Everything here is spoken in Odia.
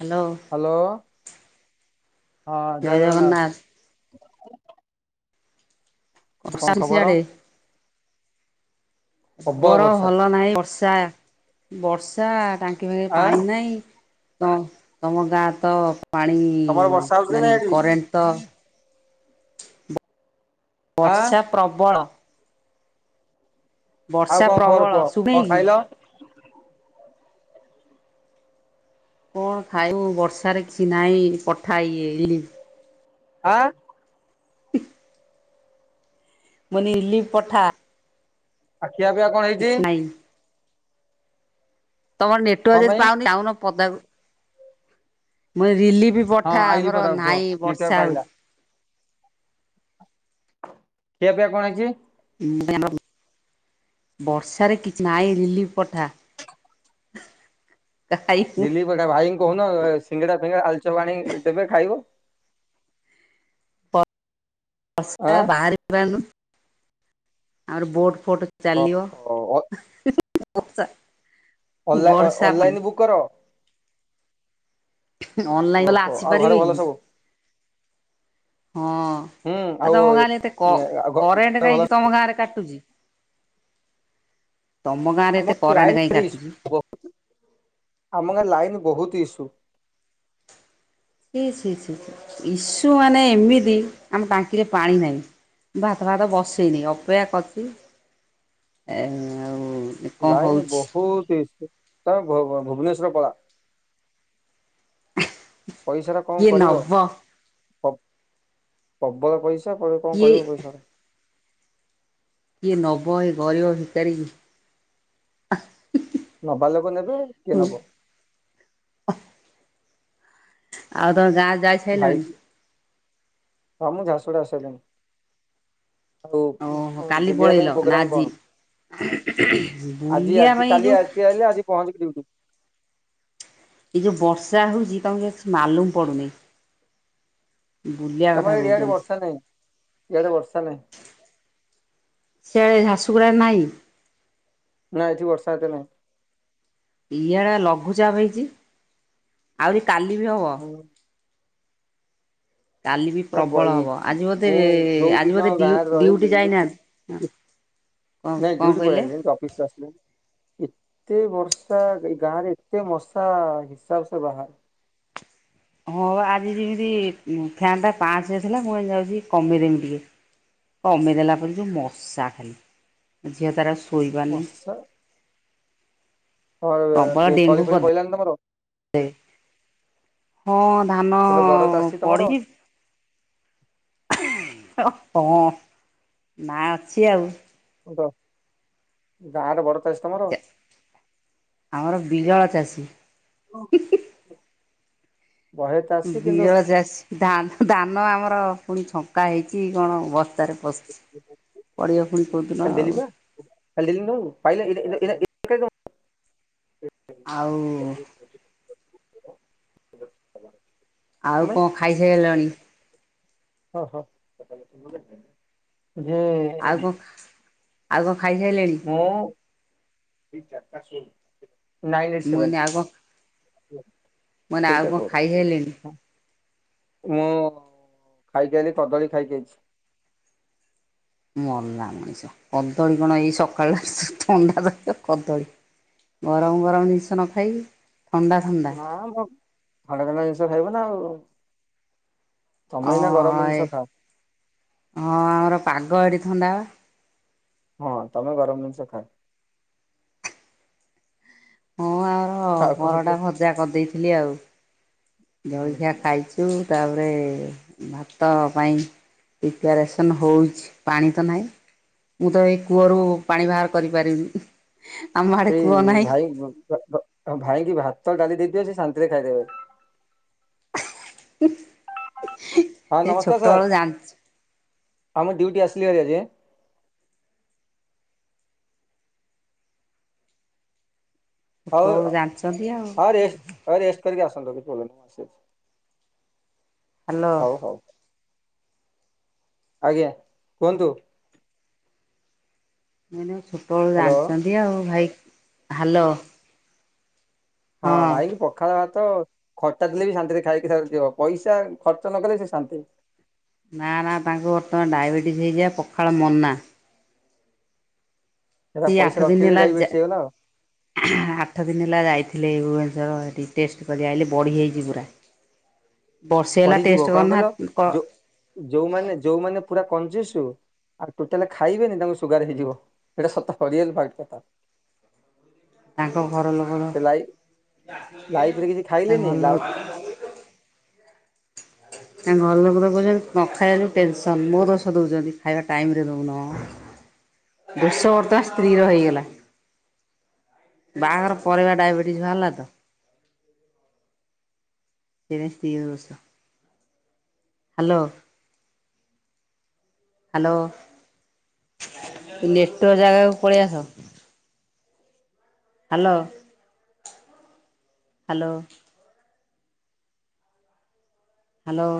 ହ୍ୟାଲୋ। ହ୍ୟାଲୋ ହଁ ଜୟ ଜଗନ୍ନାଥ। [unintelligible] କଣ ଖବର ସିଆଡେ ପ୍ରବଳ ବର ବର୍ଷା ଭଲ ନାହିଁ ବର୍ଷା ବର୍ଷା ଟାଙ୍କ ରେ ବି ଆଁ ପାଣି ନାହିଁ ତ ତମ ଗାଁ ତ ପାଣି ତମର ବର୍ଷା ହଉଛି ନା ନାଲ୍ ଏଠି କରେଣ୍ଟ ତ ଆଁ ବର୍ଷା ପ୍ରବଳ। ଆଉ ବର୍ଷା କଣ ଖବର ପ୍ରବଳ କୁହ କଣ ଶୁଣେଇକି ଖାଇଲ। କଣ ଖାଇବୁ ବର୍ଷାରେ କିଛି ନାହିଁ ପଠା ଇଏ ରିଲି ହଁ। [inaudible] ମୁଁ କନି ଲିଲିପ୍ ପଠା। ଆ ଖିଆ ପିଇଆ କଣ ହେଇଚି। କିଛି ନାହିଁ ତମର କଣ ନେଟୱାର୍କ ଯଦି ପାଇଁ ପାଉନି ଯାଉ ନ ପଦାକୁ। ମୁଁ ଇ ରିଲିପି ହଁ ପଠା ଆଇଲି ଆମର ପଦାକୁ କୁହ ନାଇଁ ନେଟୱାର୍କ ବର୍ଷା ପାଇଲା ହୋଉଚି। ଖିଆ ପିଆ କଣ ହେଇଚି। [unintelligible] ବର୍ଷାରେ କିଛି ନାଇଁ ରିଲିଫ ପଠା। [inaudible] [inaudible] ଭାଇଙ୍କୁ କହୁନ ସିଙ୍ଗଡା ଫିଙ୍ଗଡା ଆଳୁ ଚପ ଆଣିକି ଦେବେ ଖାଇବ। ଆଁ [unintelligible] ବାହାରି ପାରୁନୁ ଆମର ବୋଟ ଫୋଟ ଚାଲିିବ ଓହୋ [unintelligible] ଅନ୍ଲାଇ ଅନଲାଇନ୍ ବୁକ୍ କର। ଅନଲାଇନ ଲେ ଓହୋ ଆଉ ଘରେ ଆସିପାରିବେ ଭଲ କି? ସବୁ ହଁ ହୁଁ ଆ ଆଉ ତମ ଗାଁରେ ଏତେ କ ଆଉ କରେଣ୍ଟ ଘରେ ଭଲ କାହିକି ତମ ଗାଁ ରେ କାଟୁଚି ତମ ଗାଁରେ ଆମ ଏତେ ଲାଇନ କରେଣ୍ଟ କାହିଁ ଭାରି କାଟୁଚି। ଇସୁ ଆମ ଗାଁ ରେ ଲାଇନ୍ ବହୁତି ଇସ୍ୟୁ। ଛି ଛି ଛି ଇସୁ ମାନେ ଏମିତି ଆମ ଟାଙ୍କିରେ ପାଣି ନାହିଁ। ଭାତ ଫାତ ବସେଇନି। ଅପେକ୍ଷା କରିଚି ଏ ଆଉ କଣ ଲାଇନି ହଉଛି। ବହୁତି ଇସ୍ୟୁ। ତମେ ଭ ଭୁବନେଶ୍ୱର ପଳା। ପଇସା ରା କଣ କିଏ କରିବ? ନବ ପ୍ ପ୍ରବଳ ପଇସା। [unintelligible] କଣ କିଏ କରିବ ପଇସା ରା? କିଏ ନବ ଏଇ ଗରିବ ଭିକାରି କି। ନବା ଲୋକ ନେବେ କିଏ ନବ। ଆଉ ତମ ଗାଁରେ ଯାଇ ଭାଇ ସାରିଲଣି? ହଁ ମୁଁ ଝାରସୁଗୁଡ଼ା ଆସିସାଇଲିଣି। ଆଉ ଓହୋ କାଲି ବୁଲିବା ପଳେଇଲ ପାଇଁ ନା ପ୍ରୋଗ୍ରାମ ଆଜି କଣ? ଆଜି ବୁଲିବା ଆଜି ପାଇଁ ଯୋଉ କାଲି ଆଜି ଆଇଲି ଆଜି ପହଞ୍ଚିକି ଡ୍ୟୁଟି। ଏ ଯଉ ବର୍ଷା ହଉଚି ତମକୁ କିଛି ମାଲୁମ୍ ପଡ଼ୁନି। ତମ କଥା ଏରିଆ ଆଡେ କହୁଛନ୍ତି। ବର୍ଷା ନାଇଁ। ଇଆଡେ ବର୍ଷା ନାହିଁ। ସିଆଡେ ଝାରସୁଗୁଡ଼ା ରେ ନାହିଁ? ନା ଏଠି ବର୍ଷା ଏତେ ନାହିଁ। ଇଆଡେ ଲଘୁଚାପ ହେଇଚି। ଆହୁରି କାଲି ବି ହବ। ହୁଁ କାଲି ବି ପ୍ରବଳ ହବ [unintelligible] ଆଜି ବୋଧେ ମୁଁ ଯୋଉ ଆଜି ଦିନ ବୋଧେ ଡିଉ ଗାଁରେ ଡ୍ୟୁଟି ଯାଇନାହାନ୍ତି ରହିଲି କଣ ନାଇ କଣ ଡ୍ୟୁଟି ପଳେଇ କହିଲେ? ଆଇଲିଣି [unintelligible] ଅଫିସ କୁ ଆସିଲିଣି। ଏତେ ବର୍ଷା ଏ ଗାଁ ରେ ଏତେ ମଶା ହିସାବ ସେ ବାହାରେ। ହଁ ବା। ଆଜି ଯେମିତି ଫ୍ୟାନ୍ ଟା ପାଞ୍ଚ ରେ ଥିଲା ମୁଁ କହିଲି ଯାଉଚି କମେଇଦେବି ଟିକେ କମେଇଦେଲା ପରେ ଯୋଉ ମଶା ଖାଲି। ଝିଅ ତାର ଶୋଇପାରୁନି। ମଶା ପ୍ରବଳ [unintelligible] ଡେଙ୍ଗୁ ତଳି ଫଳି କରିଦେଲା ପଇଲାଣି ତମର? ହଁ ଧାନ ତମର ବଡ ଚାଷୀ ତମର ପଡ଼ିଚି। ହଁ ନା ଅଛି ଆଉ। ଗାଁରେ ବଡ ଚାଷୀ ତମର। ଆମର ବିରଳ ଚାଷୀ। [unintelligible] ବହେ ଚାଷୀ କିନ୍ତୁ ବିରଳ ଚାସ୍ ଧା ଧାନ ଆମର ପୁଣି ଛଙ୍କା ହେଇଚି କଣ ବସ୍ତାରେ ପଶିଚି। ପଡ଼ିବ ପୁଣି। କୋଉଦିନ କାଲି ଦେଲି ଆଉ ପା। କାଲି ଦେଲିନି ତମକୁ ପାଇଲ। [unintelligible] ଆଉ ଆଉ ତମେ କଣ ଖାଇ ସାଇଲଣି? ହ ହ। [unintelligible] ଯେ ଆଉ କଣ ଆଉ କଣ ଖାଇସାଇଲେଣି? [unintelligible] ନାଇନ୍, ଏଇଟ୍, ମୁଁ ସେଭେନ୍। କହିନି ଆଉ କଣ ମୁଁ କହିନି ଆଉ ସେଇଟା କଣ କର। ଖାଇସାରିଲେଣି ହଁ। ମୁଁ ଖାଇକି ଆଇଲି, କଦଳୀ ଖାଇକି ଆଇଚି। ମଲା ମଣିଷ, କଦଳୀ କଣ ଏଇ ସକାଳୁ ଥଣ୍ଡା ଧରିବ କଦଳୀ ଗରମ ଗରମ ଜିନିଷ ନ ଖାଇକି ଥଣ୍ଡା ଥଣ୍ଡା ନାମ ଥଣ୍ଡା ଥଣ୍ଡା ଜିନିଷ ଖାଇବ ନା ଆଉ। ଅ ତମେ ଏଇନା ଗରମ ଏ ଜିନିଷ ଖାଅ। ହଁ ଆମର ପାଗ ଏଠି ଥଣ୍ଡା ବା। ହଁ ତମେ ଗରମ ଜିନିଷ ଖା। ହଁ ଆମର ଆଉ କଣ କୁହ ପରଟା ଭଜା କରିଦେଇଥିଲି ଆଉ। ହୁଁ ଜଳଖିଆ ହୁଁ। ଖାଇଛୁ ତାପରେ ଭାତ ପାଇଁ ପ୍ରିପାରେସନ୍ ହଉଛି ପାଣି ତ ନାହିଁ ମୁଁ ତ ଏଇ କୂଅରୁ ପାଣି ବାହାର କରିପାରିବିନି। ଆମ ଆଡେ କୂଅ ସେଇ ନାହିଁ ଭାଇ ଭାଇ କି ଭାତ ଡାଲି ଦେଇଦିଅ ସେ ଶାନ୍ତିରେ ଖାଇଦେବେ। ହଁ ଏ ନମସ୍କାର ସାର୍ ଛୋଟବେଳୁ ଜାଣିଛୁ ହଁ ମୁଁ ଡ୍ୟୁଟି ଆସଲି ହେରି ଆଜି। ହଉ ଛୋଟବେଳୁ ଜାଣିଛନ୍ତି ଆଉ। ହ ରେ ହଉ ରେଷ୍ଟ ରେଷ୍ଟ କରିକି ଆସନ୍ତୁ କିଛି ପ୍ରୋବ୍ଲେ ନାହିଁ [unintelligible] ହ୍ୟାଲୋ। ହଉ ହଉ ଆଜ୍ଞା କୁହନ୍ତୁ? ଏ ଛୋଟବେଳୁ ହ୍ୟାଲୋ ଜାଣିଛନ୍ତି ଆଉ ଭାଇ ହାଲୋ। ହଁ ଭାଇ କି ପ ପଖାଳ ଭାତ ଖଟା ଥିଲେ ବି ଶାନ୍ତିରେ ଖାଇକି ଖ ଯିବ ପଇସା ଖର୍ଚ୍ଚ ନ କଲେ ସେ ଶାନ୍ତି। ନା ନା ତାଙ୍କୁ ବର୍ତ୍ତମାନ ଡାଇବେଟିସି ହେଇଯାଏ ପଖାଳ ମନା। ସେଟା ଏଇ ପଇସା ଆଠ ଦିନ ରଖିକି ହେଲା ଯା। ଡାଇବେଟିସ୍ ହେଇଗଲା ଆଉ ଆଠ ଦିନ ହେଲା ଯାଇଥିଲେ ଭୁବନେଶ୍ବର ହେଠି ଟେଷ୍ଟ କରିକି ଆଇଲି ବଢି ଯାଇଛି ପୁରା। ବର୍ଷେ ହେଲା ବଢିଯିବ ଟେଷ୍ଟ କଣ କରି କହିଲ ନାହାନ୍ତି କ ଯୋ ଯୋଉମାନେ ଯୋଉମାନେ ପୁରା କଞ୍ଚିସୁ। ଆଉ ଟୋଟାଲି ଖାଇବେନି ତାଙ୍କୁ ସୁଗାର ହେଇଯିବ ସେଇଟା ସତ ରିଅଲ ପାଟ କଥା। ତାଙ୍କ ଘର ଲୋକର ସେ ଲାଇ ଲାଇଫି ରେ କିଛି ତାଙ୍କ ଖାଇଲେନି ଘର ଲୋକ ତାଙ୍କ ଘର ଲୋକ ତ କହୁଛନ୍ତି ନ ଖାଇବା ଯୁ ଟେନସନ୍ ମୋ ଦୋଷ ଦେଉଛନ୍ତି ଖାଇବା ଟାଇମରେ ଦଉନ। ଦୋଷ ବର୍ତ୍ତମାନ ସ୍ତ୍ରୀ ର ହେଇଗଲା। ବାହାଘର ପରେ ବା ଡାଇବେଟିସ୍ ବାହାରୀ ଲା ତ। [unintelligible] ସ୍ତ୍ରୀ ର ଦୋଷ। ହ୍ୟାଲୋ। ହ୍ୟାଲୋ ନେଟୱର୍କ ଜାଗାକୁ ପଳେଇ ଆସ। ହ୍ୟାଲୋ। ହ୍ୟାଲୋ। ହ୍ୟାଲୋ।